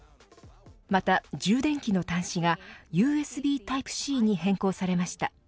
また充電器の端子がＵＳＢタイプＣに変更されました。